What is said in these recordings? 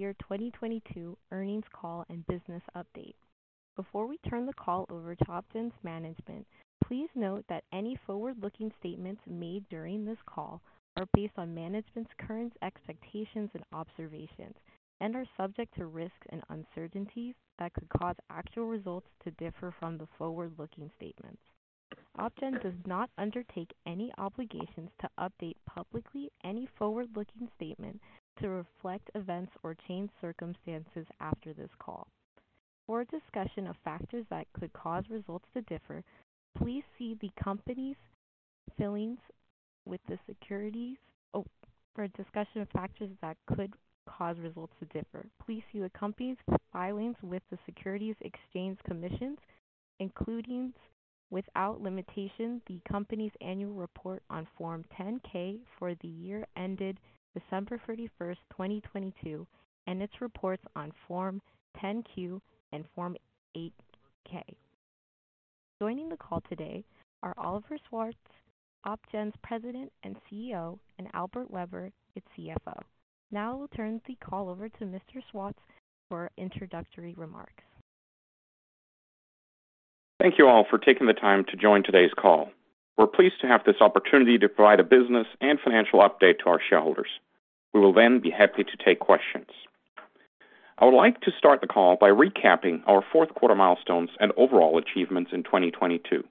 Full year 2022 earnings call and business update. Before we turn the call over to OpGen's management, please note that any forward-looking statements made during this call are based on management's current expectations and observations and are subject to risks and uncertainties that could cause actual results to differ from the forward-looking statements. OpGen does not undertake any obligations to update publicly any forward-looking statement to reflect events or change circumstances after this call. For a discussion of factors that could cause results to differ, please see the company's filings with the Securities and Exchange Commission, including, without limitation, the company's annual report on Form 10-K for the year ended December 31st, 2022, and its reports on Form 10-Q and Form 8-K. Joining the call today are Oliver Schacht, OpGen's President and CEO, and Albert Weber, its CFO. We'll turn the call over to Mr. Schacht for introductory remarks. Thank you all for taking the time to join today's call. We're pleased to have this opportunity to provide a business and financial update to our shareholders. We will be happy to take questions. I would like to start the call by recapping our Q4 milestones and overall achievements in 2022.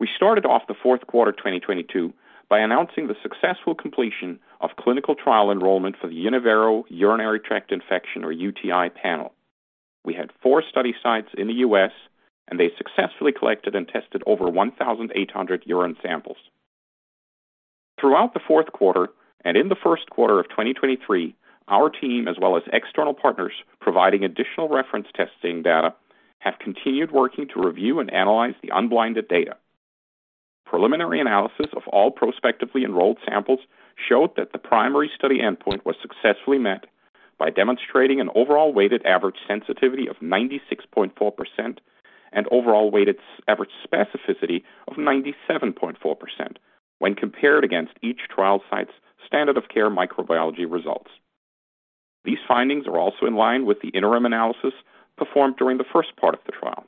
We started off the Q4 2022 by announcing the successful completion of clinical trial enrollment for the Unyvero Urinary Tract Infection or UTI panel. We had four study sites in the U.S., and they successfully collected and tested over 1,800 urine samples. Throughout the Q4 and in the Q1 of 2023, our team, as well as external partners providing additional reference testing data, have continued working to review and analyze the unblinded data. Preliminary analysis of all prospectively enrolled samples showed that the primary study endpoint was successfully met by demonstrating an overall weighted average sensitivity of 96.4% and overall weighted average specificity of 97.4% when compared against each trial site's standard of care microbiology results. These findings are also in line with the interim analysis performed during the first part of the trial.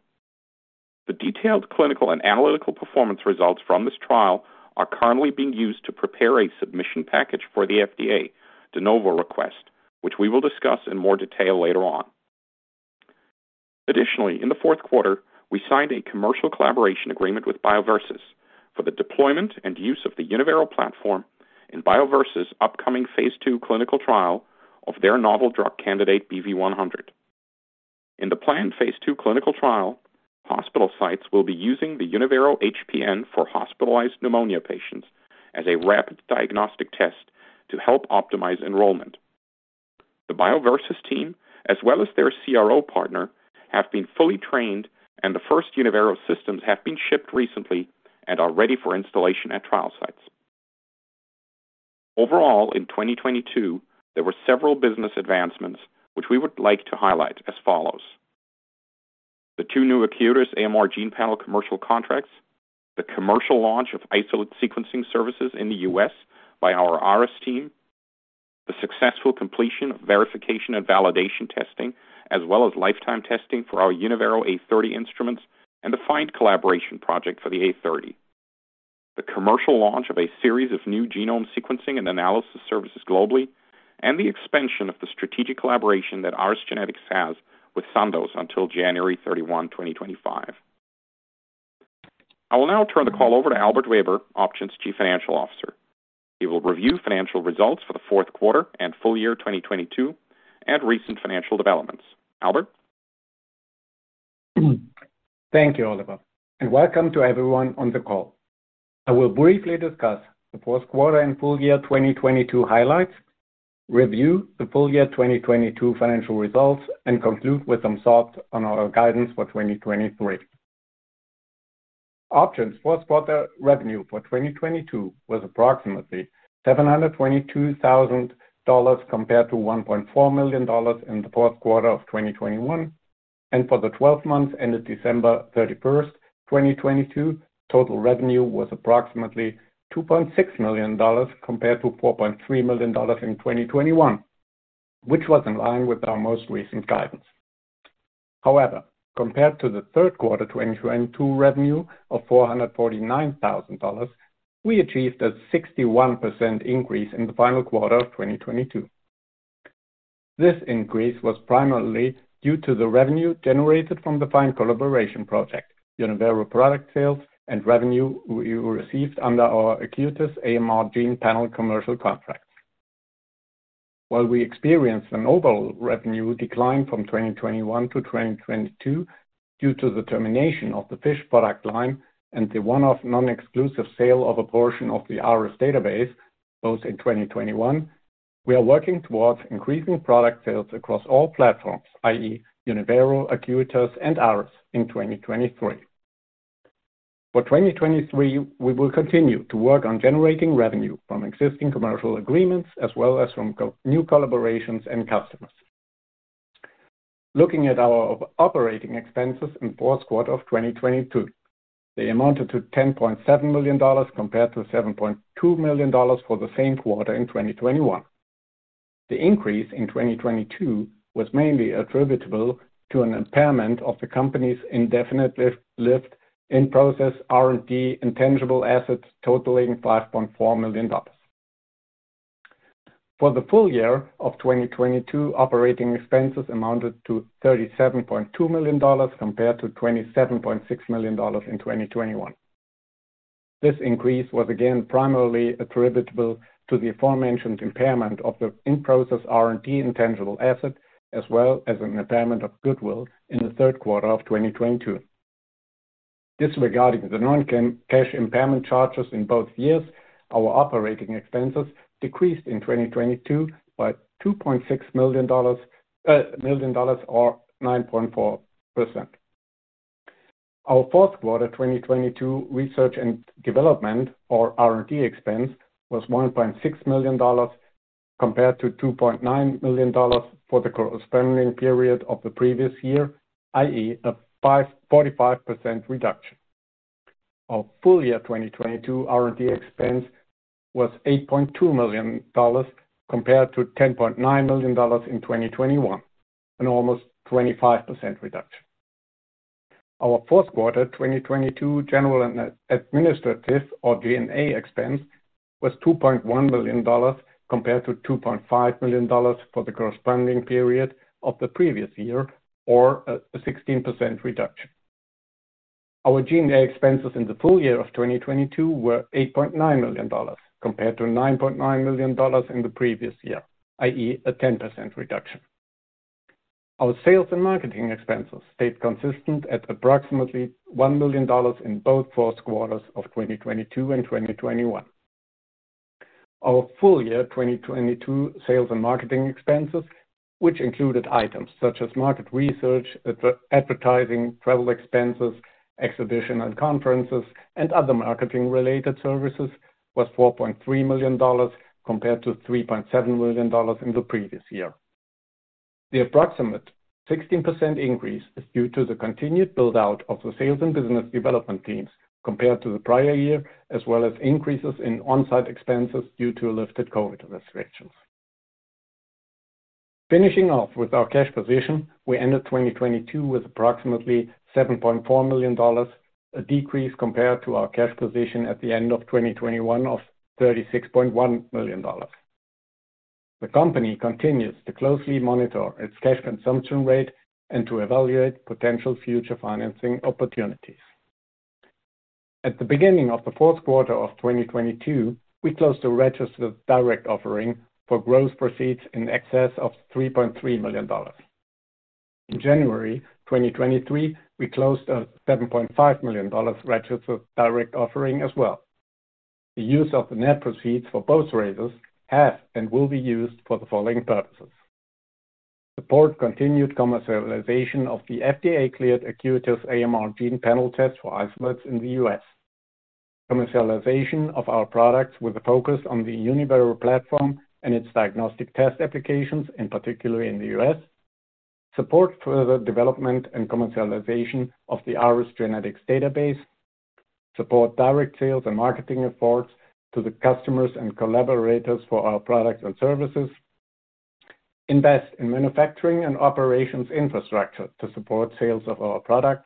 The detailed clinical and analytical performance results from this trial are currently being used to prepare a submission package for the FDA De Novo request, which we will discuss in more detail later on. Additionally, in the Q4, we signed a commercial collaboration agreement with BioVersys for the deployment and use of the Unyvero platform in BioVersys' upcoming phase 2 clinical trial of their novel drug candidate, BV100. In the planned phase two clinical trial, hospital sites will be using the Unyvero HPN for hospitalized pneumonia patients as a rapid diagnostic test to help optimize enrollment. The BioVersys team, as well as their CRO partner, have been fully trained and the first Unyvero systems have been shipped recently and are ready for installation at trial sites. Overall, in 2022, there were several business advancements which we would like to highlight as follows: The 2 new Acuitas AMR Gene Panel commercial contracts, the commercial launch of isolate sequencing services in the U.S. by our Ares team, the successful completion of verification and validation testing, as well as lifetime testing for our Unyvero A30 instruments, and the FIND Collaboration Project for the A30, the commercial launch of a series of new genome sequencing and analysis services globally, and the expansion of the strategic collaboration that Ares Genetics has with Sandoz until January 31, 2025. I will now turn the call over to Albert Weber, OpGen's Chief Financial Officer. He will review financial results for the Q4 and full year 2022 and recent financial developments. Albert. Thank you, Oliver, welcome to everyone on the call. I will briefly discuss the Q4 and full year 2022 highlights, review the full year 2022 financial results, and conclude with some thoughts on our guidance for 2023. OpGen's Q4 revenue for 2022 was approximately $722,000 compared to $1.4 million in the Q4 of 2021. For the 12 months ended December 31st, 2022, total revenue was approximately $2.6 million compared to $4.3 million in 2021, which was in line with our most recent guidance. However, compared to the Q3 2022 revenue of $449,000, we achieved a 61% increase in the final quarter of 2022. This increase was primarily due to the revenue generated from the FIND Collaboration Project, Unyvero product sales, and revenue we received under our Acuitas AMR Gene Panel commercial contracts. While we experienced an overall revenue decline from 2021 to 2022 due to the termination of the FISH product line and the one-off non-exclusive sale of a portion of the ARESdb, both in 2021, we are working towards increasing product sales across all platforms, i.e., Unyvero, Acuitas, and ARESdb in 2023. For 2023, we will continue to work on generating revenue from existing commercial agreements as well as from new collaborations and customers. Looking at our operating expenses in Q4 of 2022. They amounted to $10.7 million compared to $7.2 million for the same quarter in 2021. The increase in 2022 was mainly attributable to an impairment of the company's indefinitely lived in-process R&D intangible assets totaling $5.4 million. For the full year of 2022, operating expenses amounted to $37.2 million compared to $27.6 million in 2021. This increase was again primarily attributable to the aforementioned impairment of the in-process R&D intangible asset, as well as an impairment of goodwill in the Q3 of 2022. Disregarding the non-cash impairment charges in both years, our operating expenses decreased in 2022 by $2.6 million or 9.4%. Our Q4 2022 research and development or R&D expense was $1.6 million compared to $2.9 million for the corresponding period of the previous year, i.e., a 45% reduction. Our full year 2022 R&D expense was $8.2 million compared to $10.9 million in 2021, an almost 25% reduction. Our Q4 2022 general and administrative or G&A expense was $2.1 million compared to $2.5 million for the corresponding period of the previous year, or a 16% reduction. Our G&A expenses in the full year of 2022 were $8.9 million compared to $9.9 million in the previous year, i.e., a 10% reduction. Our sales and marketing expenses stayed consistent at approximately $1 million in both Q4s of 2022 and 2021. Our full year 2022 sales and marketing expenses, which included items such as market research, advertising, travel expenses, exhibition and conferences, and other marketing related services, was $4.3 million compared to $3.7 million in the previous year. The approximate 16% increase is due to the continued build out of the sales and business development teams compared to the prior year, as well as increases in on-site expenses due to lifted COVID restrictions. Finishing off with our cash position, we ended 2022 with approximately $7.4 million, a decrease compared to our cash position at the end of 2021 of $36.1 million. The company continues to closely monitor its cash consumption rate and to evaluate potential future financing opportunities. At the beginning of the Q4 of 2022, we closed a registered direct offering for gross proceeds in excess of $3.3 million. In January 2023, we closed a $7.5 million registered direct offering as well. The use of the net proceeds for both raises have and will be used for the following purposes: Support continued commercialization of the FDA cleared Acuitas AMR Gene Panel test for isolates in the U.S. Commercialization of our products with a focus on the Unyvero platform and its diagnostic test applications, in particular in the U.S. Support further development and commercialization of the Ares Genetics database. Support direct sales and marketing efforts to the customers and collaborators for our products and services. Invest in manufacturing and operations infrastructure to support sales of our products.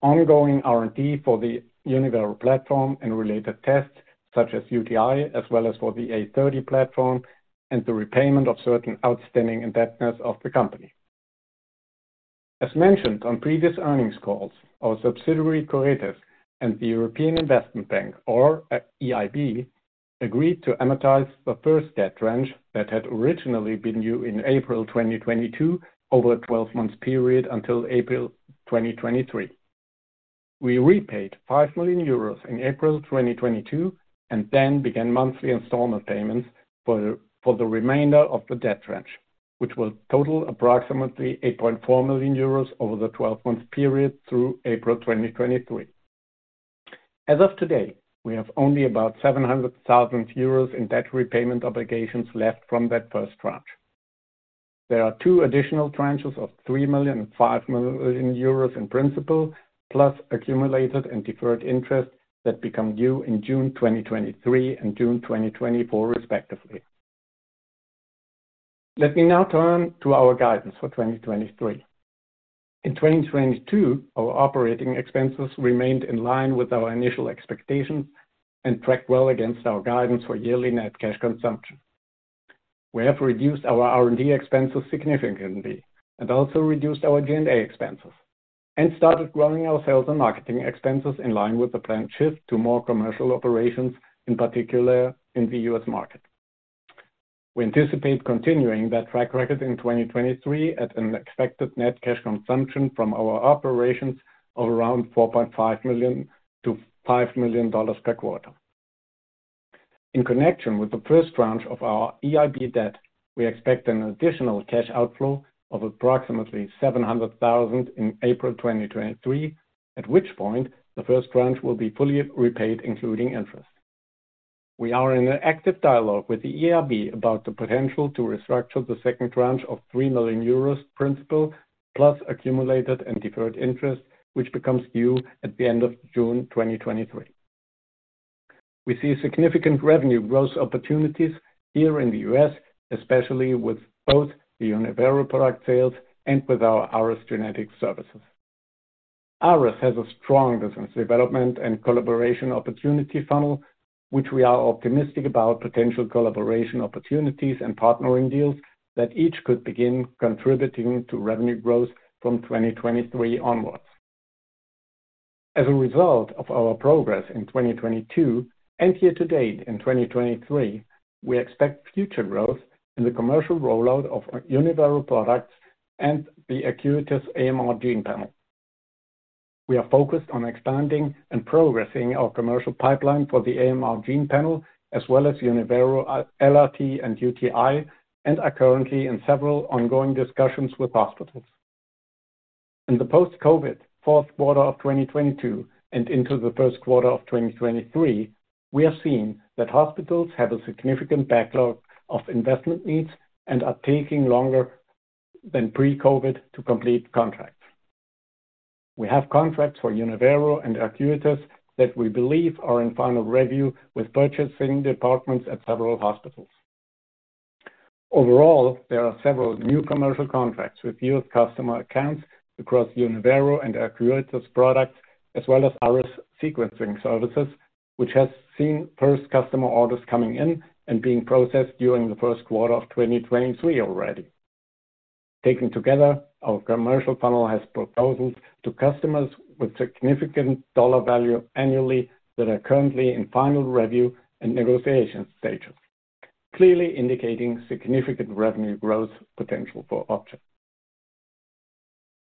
Ongoing R&D for the Unyvero platform and related tests such as UTI, as well as for the A30 platform. The repayment of certain outstanding indebtedness of the company. As mentioned on previous earnings calls, our subsidiary, Curetis and the European Investment Bank, or EIB, agreed to amortize the first debt tranche that had originally been due in April 2022 over a 12-month period until April 2023. We repaid 5 million euros in April 2022 and then began monthly installment payments for the remainder of the debt tranche, which will total approximately 8.4 million euros over the 12-month period through April 2023. As of today, we have only about 700,000 euros in debt repayment obligations left from that first tranche. There are two additional tranches of 3 million and 5 million euros in principle, plus accumulated and deferred interest that become due in June 2023 and June 2024 respectively. Let me now turn to our guidance for 2023. In 2022, our operating expenses remained in line with our initial expectations and tracked well against our guidance for yearly net cash consumption. We have reduced our R&D expenses significantly and also reduced our G&A expenses and started growing our sales and marketing expenses in line with the planned shift to more commercial operations, in particular in the U.S. market. We anticipate continuing that track record in 2023 at an expected net cash consumption from our operations of around $4.5 -$5 million per quarter. In connection with the first tranche of our EIB debt, we expect an additional cash outflow of approximately $700,000 in April 2023, at which point the first tranche will be fully repaid, including interest. We are in an active dialogue with the EIB about the potential to restructure the second tranche of 3 million euros principal plus accumulated and deferred interest, which becomes due at the end of June 2023. We see significant revenue growth opportunities here in the U.S., especially with both the Unyvero product sales and with our Ares Genetics services. Ares has a strong business development and collaboration opportunity funnel, which we are optimistic about potential collaboration opportunities and partnering deals that each could begin contributing to revenue growth from 2023 onwards. As a result of our progress in 2022 and year to date in 2023, we expect future growth in the commercial rollout of Unyvero products and the Acuitas AMR Gene Panel. We are focused on expanding and progressing our commercial pipeline for the AMR Gene Panel, as well as Unyvero LRT and UTI, and are currently in several ongoing discussions with hospitals. In the post-COVID Q4 of 2022 and into the Q1 of 2023, we have seen that hospitals have a significant backlog of investment needs and are taking longer than pre-COVID to complete contracts. We have contracts for Unyvero and Acuitas that we believe are in final review with purchasing departments at several hospitals. Overall, there are several new commercial contracts with U.S. customer accounts across Unyvero and Acuitas products, as well as ARES sequencing services, which has seen 1st customer orders coming in and being processed during the Q1 of 2023 already. Taken together, our commercial funnel has proposals to customers with significant dollar value annually that are currently in final review and negotiation stages, clearly indicating significant revenue growth potential for OpGen.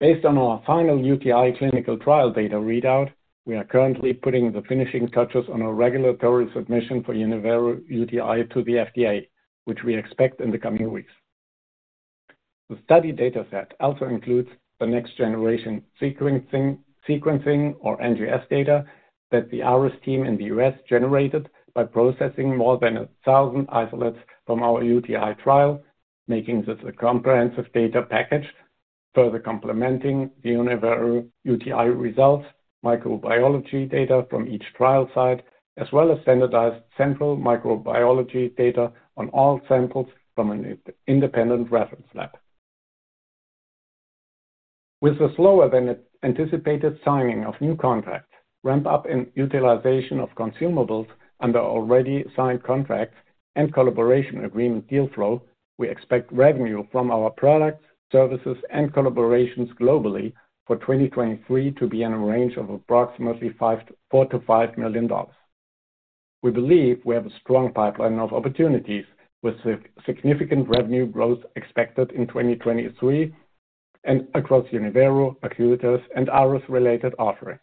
Based on our final UTI clinical trial data readout, we are currently putting the finishing touches on our regulatory submission for Unyvero UTI to the FDA, which we expect in the coming weeks. The study data set also includes the next generation sequencing or NGS data that the Ares team in the U.S. generated by processing more than 1,000 isolates from our UTI trial, making this a comprehensive data package, further complementing the Unyvero UTI results, microbiology data from each trial site, as well as standardized central microbiology data on all samples from an independent reference lab. With a slower than anticipated signing of new contracts, ramp up in utilization of consumables under already signed contracts and collaboration agreement deal flow, we expect revenue from our products, services and collaborations globally for 2023 to be in a range of approximately $4 -$5 million. We believe we have a strong pipeline of opportunities with significant revenue growth expected in 2023 and across Unyvero, Acuitas and Ares related offerings.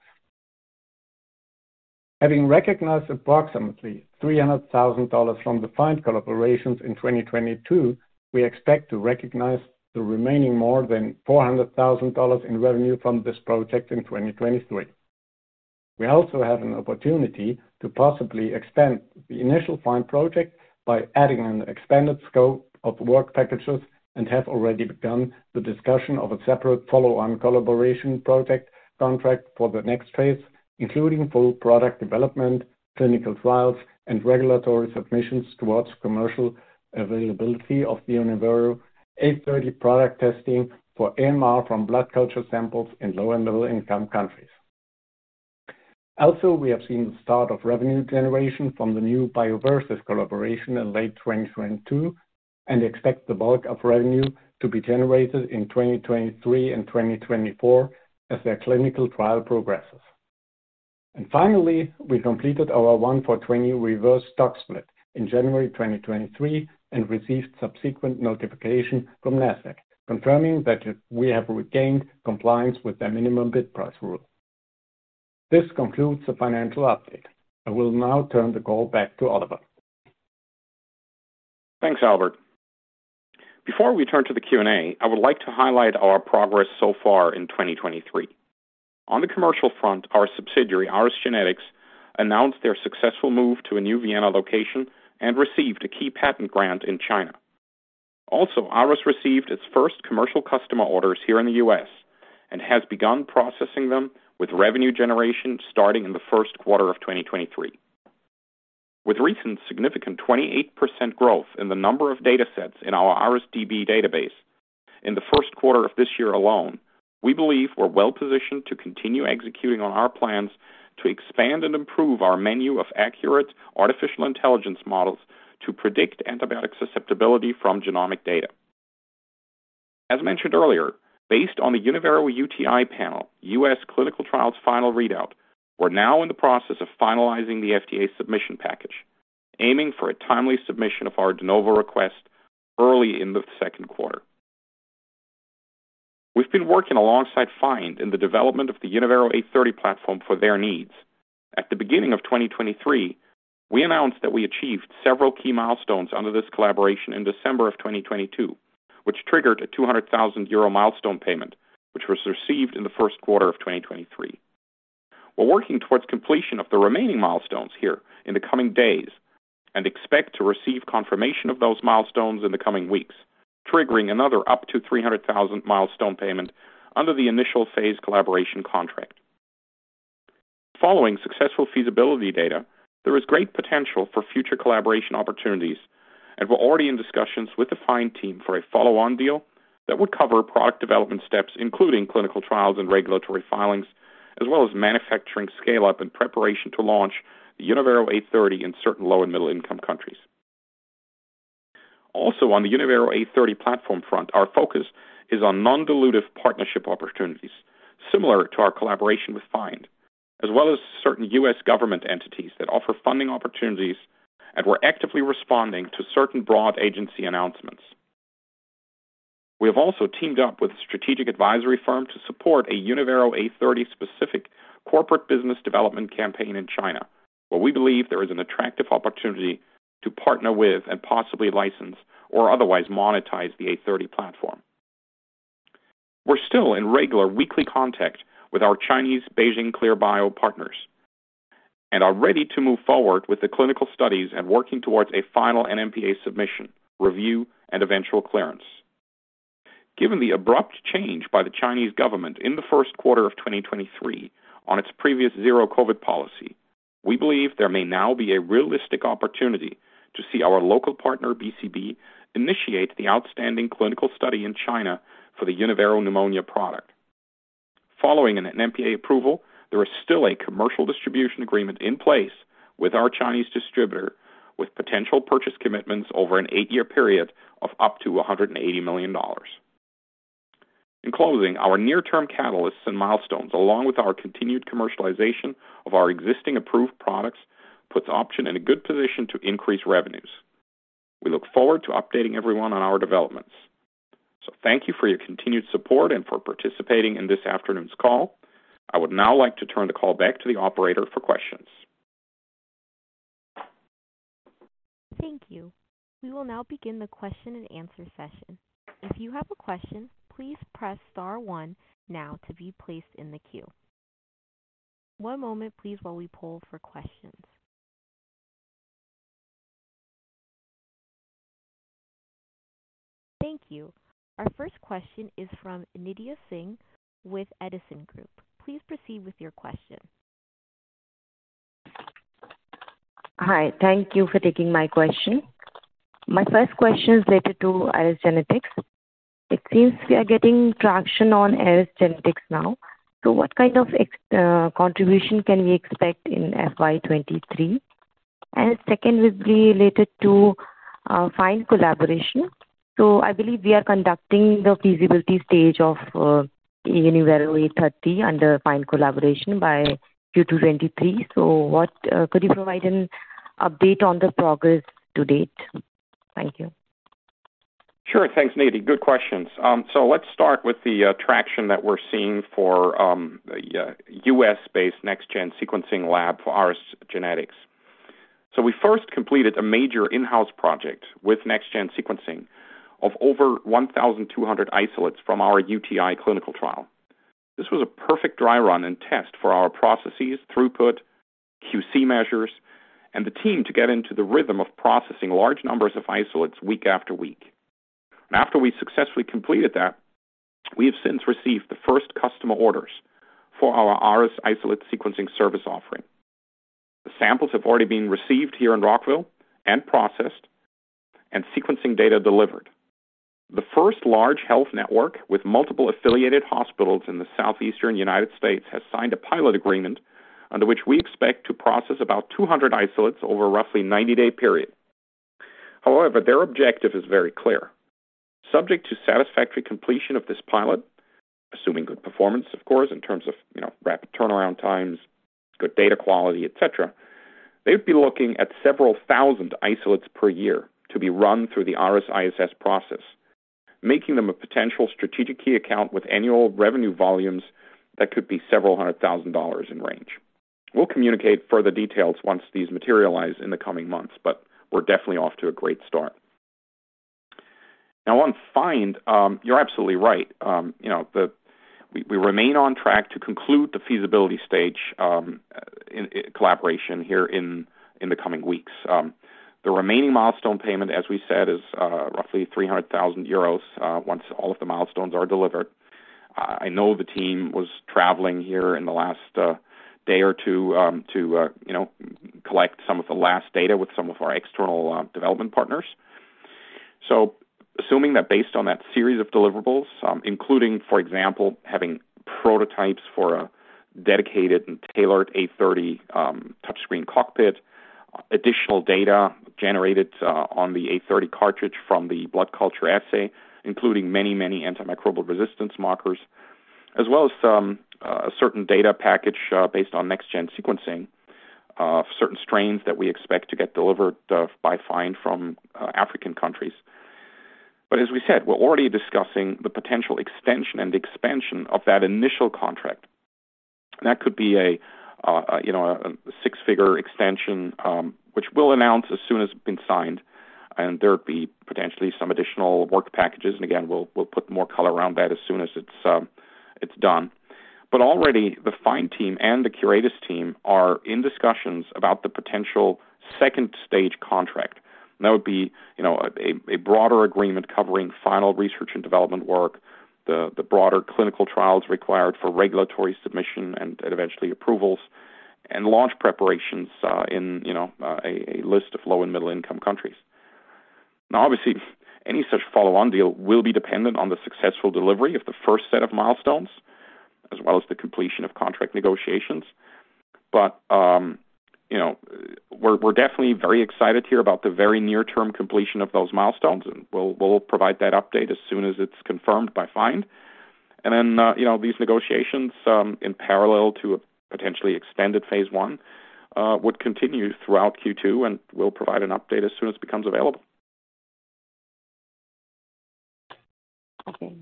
Having recognized approximately $300,000 from the FIND collaborations in 2022, we expect to recognize the remaining more than $400,000 in revenue from this project in 2023. We also have an opportunity to possibly expand the initial FIND project by adding an expanded scope of work packages and have already begun the discussion of a separate follow-on collaboration project contract for the next phase, including full product development, clinical trials, and regulatory submissions towards commercial availability of the Unyvero A30 product testing for AMR from blood culture samples in low and middle income countries. We have seen the start of revenue generation from the new BioVersys collaboration in late 2022 and expect the bulk of revenue to be generated in 2023 and 2024 as their clinical trial progresses. Finally, we completed our one for 20 reverse stock splits in January 2023 and received subsequent notification from Nasdaq confirming that we have regained compliance with their minimum bid price rule. This concludes the financial update. I will now turn the call back to Oliver. Thanks, Albert. Before we turn to the Q&A, I would like to highlight our progress so far in 2023. On the commercial front, our subsidiary, Ares Genetics, announced their successful move to a new Vienna location and received a key patent grant in China. Ares received its first commercial customer orders here in the U.S. and has begun processing them with revenue generation starting in the Q1 of 2023. With recent significant 28% growth in the number of data sets in our ARESdb database in the Q1 of this year alone, we believe we're well positioned to continue executing on our plans to expand and improve our menu of accurate artificial intelligence models to predict antibiotic susceptibility from genomic data. As mentioned earlier, based on the Unyvero UTI panel, U.S. clinical trials final readout, we're now in the process of finalizing the FDA submission package, aiming for a timely submission of our De Novo request early in the Q2. We've been working alongside FIND in the development of the Unyvero A30 platform for their needs. At the beginning of 2023, we announced that we achieved several key milestones under this collaboration in December of 2022. Which triggered a 200,000 euro milestone payment, which was received in the Q1 of 2023. We're working towards completion of the remaining milestones here in the coming days and expect to receive confirmation of those milestones in the coming weeks, triggering another up to 300,000 milestone payment under the initial phase collaboration contract. Following successful feasibility data, there is great potential for future collaboration opportunities. We're already in discussions with the FIND team for a follow-on deal that would cover product development steps, including clinical trials and regulatory filings, as well as manufacturing scale-up in preparation to launch the Unyvero A30 in certain low- and middle-income countries. On the Unyvero A30 platform front, our focus is on non-dilutive partnership opportunities similar to our collaboration with FIND, as well as certain U.S. government entities that offer funding opportunities. We're actively responding to certain broad agency announcements. We have also teamed up with a strategic advisory firm to support a Unyvero A30 specific corporate business development campaign in China, where we believe there is an attractive opportunity to partner with and possibly license or otherwise monetize the A30 platform. We're still in regular weekly contact with our Chinese Beijing Clear Bio partners and are ready to move forward with the clinical studies and working towards a final NMPA submission, review and eventual clearance. Given the abrupt change by the Chinese government in the Q1 of 2023 on its previous zero COVID policy, we believe there may now be a realistic opportunity to see our local partner, BCB, initiate the outstanding clinical study in China for the Unyvero pneumonia product. Following an NMPA approval, there is still a commercial distribution agreement in place with our Chinese distributor, with potential purchase commitments over an eight-year period of up to $180 million. In closing, our near-term catalysts and milestones, along with our continued commercialization of our existing approved products, puts OpGen in a good position to increase revenues. We look forward to updating everyone on our developments. Thank you for your continued support and for participating in this afternoon's call. I would now like to turn the call back to the operator for questions. Thank you. We will now begin the question and answer session. If you have a question, please press star one now to be placed in the queue. One moment, please, while we poll for questions. Thank you. Our first question is from Nidhi Singh with Edison Group. Please proceed with your question. Hi. Thank you for taking my question. My first question is related to Ares Genetics. It seems we are getting traction on Ares Genetics now. What kind of contribution can we expect in FY 2023? Second would be related to FIND collaboration. I believe we are conducting the feasibility stage of Unyvero A30 under FIND collaboration by Q2 2023. What could you provide an update on the progress to date? Thank you. Sure. Thanks, Nidhi. Good questions. Let's start with the traction that we're seeing for the US-based next-gen sequencing lab for Ares Genetics. We first completed a major in-house project with next-gen sequencing of over 1,200 isolates from our UTI clinical trial. This was a perfect dry run and test for our processes, throughput, QC measures, and the team to get into the rhythm of processing large numbers of isolates week after week. After we successfully completed that, we have since received the first customer orders for our Ares isolate sequencing service offering. The samples have already been received here in Rockville and processed and sequencing data delivered. The first large health network with multiple affiliated hospitals in the southeastern United States has signed a pilot agreement under which we expect to process about 200 isolates over a roughly 90-day period. Their objective is very clear. Subject to satisfactory completion of this pilot, assuming good performance, of course, in terms of rapid turnaround times, good data quality, et cetera, they'd be looking at several thousand isolates per year to be run through the ARESiss process, making them a potential strategic key account with annual revenue volumes that could be several hundred thousand dollars in range. We'll communicate further details once these materialize in the coming months. We're definitely off to a great start. On FIND, you're absolutely right. The... We remain on track to conclude the feasibility stage in collaboration here in the coming weeks. The remaining milestone payment, as we said, is roughly 300,000 euros once all of the milestones are delivered. I know the team was traveling here in the last day or two, to, you know, collect some of the last data with some of our external development partners. Assuming that based on that series of deliverables, including, for example, having prototypes for a dedicated and tailored A30 touchscreen cockpit, additional data generated on the A30 cartridge from the blood culture assay, including many, many antimicrobial resistance markers, as well as some certain data package based on next-gen sequencing of certain strains that we expect to get delivered by FIND from African countries. As we said, we're already discussing the potential extension and expansion of that initial contract. That could be a, you know, a six-figure extension, which we'll announce as soon as it's been signed, and there'd be potentially some additional work packages. Again, we'll put more color around that as soon as it's done. Already the FIND team and the Curetis team are in discussions about the potential second-stage contract. That would be, you know, a broader agreement covering final research and development work, the broader clinical trials required for regulatory submission and eventually approvals and launch preparations, in, you know, a list of low and middle-income countries. Obviously, any such follow-on deal will be dependent on the successful delivery of the first set of milestones, as well as the completion of contract negotiations. You know, we're definitely very excited here about the very near-term completion of those milestones. We'll provide that update as soon as it's confirmed by FIND. Then, you know, these negotiations, in parallel to a potentially extended phase I, would continue throughout Q2, and we'll provide an update as soon as it becomes available. Okay.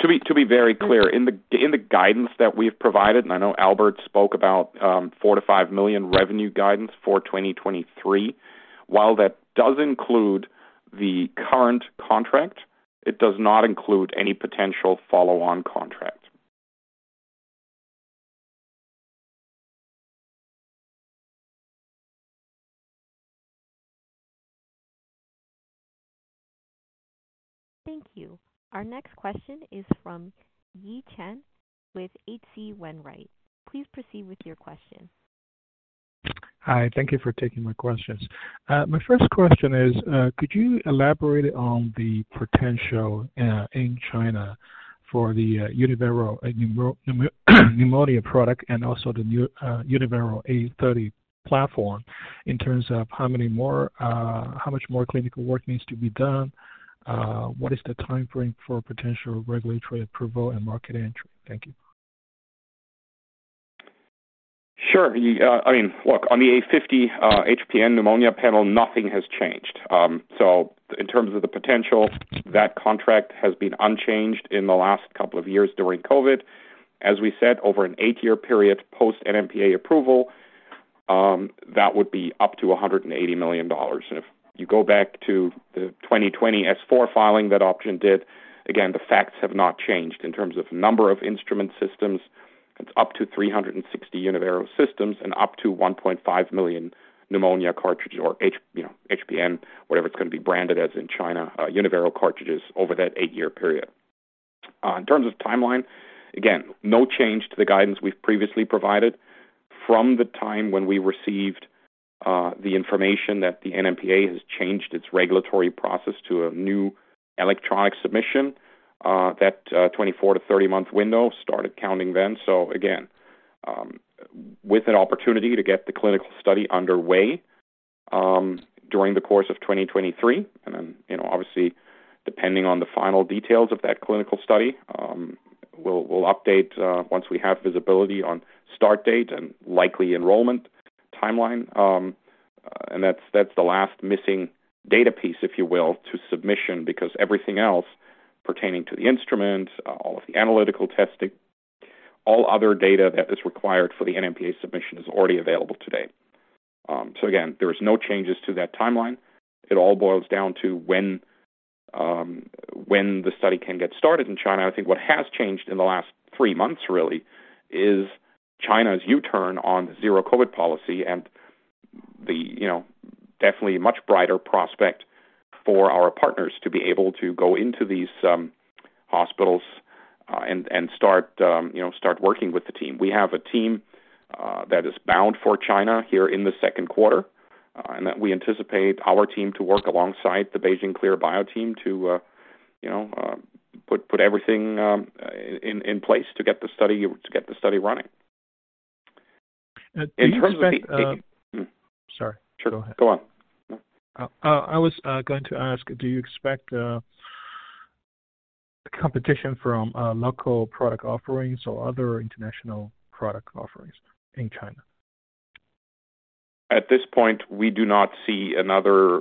To be very clear, in the guidance that we've provided, and I know Albert spoke about, $4 -$5 million revenue guidance for 2023, while that does include the current contract, it does not include any potential follow-on contract. Thank you. Our next question is from Yi Chen with H.C. Wainwright. Please proceed with your question. Hi. Thank you for taking my questions. My first question is, could you elaborate on the potential in China for the Unyvero pneumonia product and also the new Unyvero A30 platform in terms of how many more, how much more clinical work needs to be done? What is the timeframe for potential regulatory approval and market entry? Thank you. Sure. I mean, look, on the A50 HPN pneumonia panel, nothing has changed. In terms of the potential, that contract has been unchanged in the last couple of years during COVID. As we said, over an eight-year period post NMPA approval, that would be up to $180 million. If you go back to the 2020 Form S-4 filing that OpGen did, again, the facts have not changed. In terms of number of instrument systems, it's up to 360 Unyvero systems and up to 1.5 million pneumonia cartridges or H, you know, HPN, whatever it's going to be branded as in China, Unyvero cartridges over that eight-year period. In terms of timeline, again, no change to the guidance we've previously provided. From the time when we received the information that the NMPA has changed its regulatory process to a new electronic submission, that 24-30 month window started counting then. Again, with an opportunity to get the clinical study underway during the course of 2023, and then, you know, obviously, depending on the final details of that clinical study, we'll update once we have visibility on start date and likely enrollment timeline. And that's the last missing data piece, if you will, to submission. Because everything else pertaining to the instrument, all of the analytical testing, all other data that is required for the NMPA submission is already available today. Again, there is no changes to that timeline. It all boils down to when the study can get started in China. I think what has changed in the last three months really is China's U-turn on zero COVID policy and the, you know, definitely much brighter prospect for our partners to be able to go into these hospitals and start, you know, start working with the team. We have a team that is bound for China here in the Q2. We anticipate our team to work alongside the Beijing Clear Bio team to, you know, put everything in place to get the study running. Do you expect, In terms of the- Sorry. Sure. Go ahead. Go on. I was going to ask, do you expect competition from local product offerings or other international product offerings in China? At this point, we do not see another,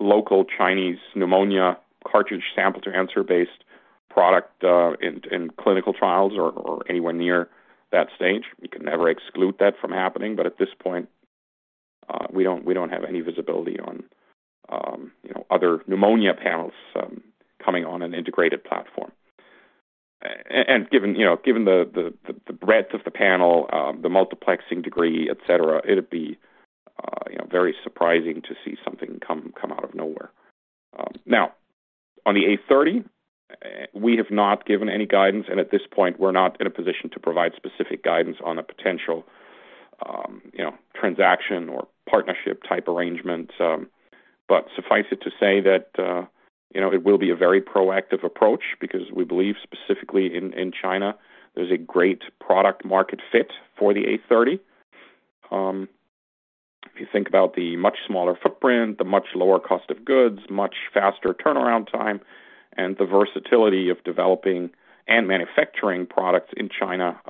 local Chinese pneumonia cartridge sample to answer-based product, in clinical trials or anywhere near that stage. We can never exclude that from happening, but at this point, we don't have any visibility on, you know, other pneumonia panels, coming on an integrated platform. Given, you know, given the breadth of the panel, the multiplexing degree, etc., it'd be, you know, very surprising to see something come out of nowhere. Now on the A30, we have not given any guidance, and at this point, we're not in a position to provide specific guidance on a potential, you know, transaction or partnership type arrangement. Suffice it to say that, you know, it will be a very proactive approach because we believe specifically in China, there's a great product market fit for the A30. If you think about the much smaller footprint, the much lower cost of goods, much faster turnaround time, and the versatility of developing and manufacturing products in China,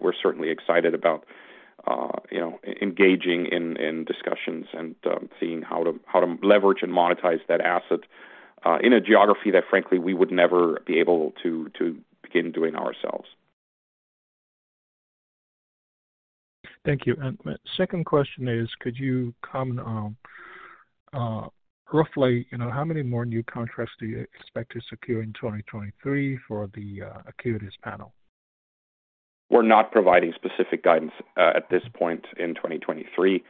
we're certainly excited about, you know, engaging in discussions and seeing how to leverage and monetize that asset in a geography that frankly, we would never be able to begin doing ourselves. Thank you. Second question is, could you comment on, roughly, you know, how many more new contracts do you expect to secure in 2023 for the Acuitas panel? We're not providing specific guidance at this point in 2023.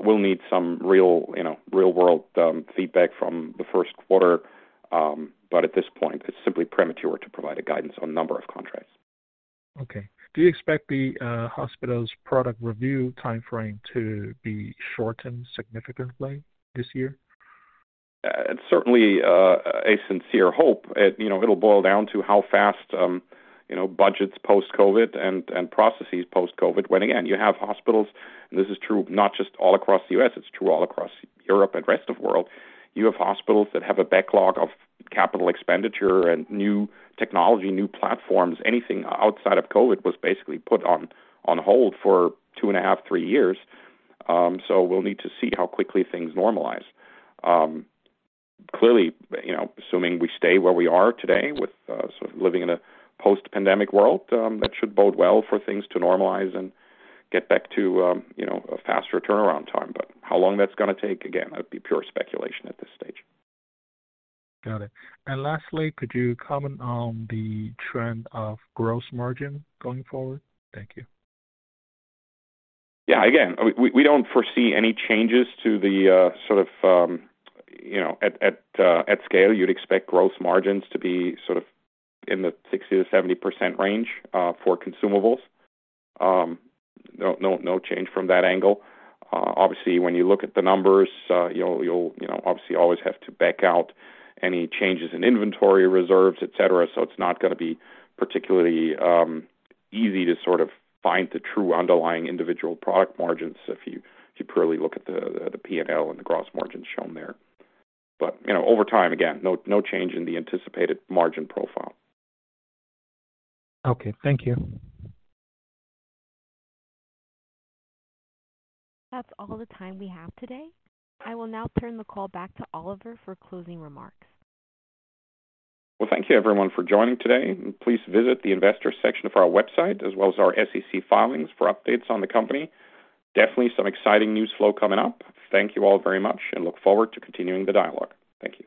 We'll need some real, you know, real-world feedback from the Q1. At this point, it's simply premature to provide a guidance on number of contracts. Okay. Do you expect the hospital's product review timeframe to be shortened significantly this year? It's certainly a sincere hope. It, you know, it'll boil down to how fast, you know, budgets post-COVID and processes post-COVID. Again, you have hospitals, and this is true not just all across the U.S., it's true all across Europe and rest of world. You have hospitals that have a backlog of capital expenditure and new technology, new platforms. Anything outside of COVID was basically put on hold for two and a half, three years. We'll need to see how quickly things normalize. Clearly, you know, assuming we stay where we are today with sort of living in a post-pandemic world, that should bode well for things to normalize and get back to, you know, a faster turnaround time. How long that's gonna take, again, that would be pure speculation at this stage. Got it. Lastly, could you comment on the trend of gross margin going forward? Thank you. Yeah. Again, we don't foresee any changes to the sort of, you know. At scale, you'd expect gross margins to be sort of in the 60%-70% range for consumables. No change from that angle. Obviously, when you look at the numbers, you'll, you know, obviously always have to back out any changes in inventory reserves, et cetera. It's not gonna be particularly easy to sort of find the true underlying individual product margins if you purely look at the PNL and the gross margins shown there. You know, over time, again, no change in the anticipated margin profile. Okay. Thank you. That's all the time we have today. I will now turn the call back to Oliver for closing remarks. Well, thank you everyone for joining today. Please visit the investor section of our website as well as our SEC filings for updates on the company. Definitely some exciting news flow coming up. Thank you all very much and look forward to continuing the dialogue. Thank you.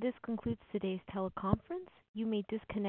This concludes today's teleconference. You may disconnect.